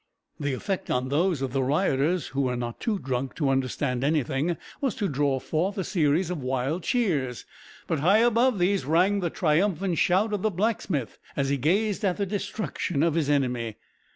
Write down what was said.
The effect on those of the rioters who were not too drunk to understand anything, was to draw forth a series of wild cheers, but high above these rang the triumphant shout of the blacksmith as he gazed at the destruction of his enemy.